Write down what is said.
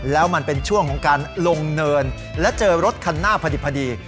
แล้วมันเป็นช่วงของการลงเนินและเจอรถคันหน้าพอดี